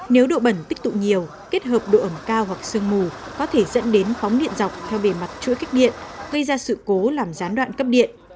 nếu độ bẩn tích tụ nhiều kết hợp độ ẩm cao hoặc sương mù có thể dẫn đến phóng điện dọc theo bề mặt chuỗi kích điện gây ra sự cố làm gián đoạn cấp điện